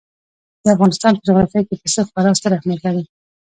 د افغانستان په جغرافیه کې پسه خورا ستر اهمیت لري.